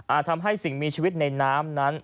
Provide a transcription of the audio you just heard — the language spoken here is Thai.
ทำให้สิ่งมีชีวิตในน้ำนั้น